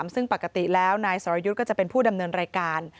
ซึ่งปกติแล้วนายสรยุทธ์ก็จะเป็นผู้ดำเนินรายการ